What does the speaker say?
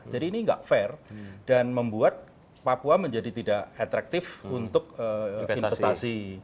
jadi ini nggak fair dan membuat papua menjadi tidak atraktif untuk investasi